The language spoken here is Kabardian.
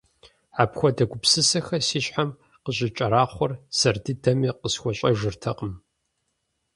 Апхуэдэ гупсысэхэр си щхьэм къыщӀикӀэрахъуэр сэр дыдэми къысхуэщӏэжыртэкъым.